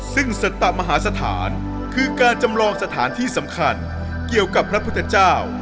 ซึ่งสตมหาสถานคือการจำลองสถานที่สำคัญเกี่ยวกับพระพุทธเจ้า